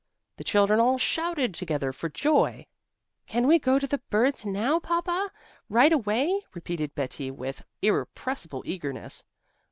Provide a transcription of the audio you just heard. The children all shouted together for joy. "Can we go to the birds now, Papa? Right away?" repeated Betti with irrepressible eagerness.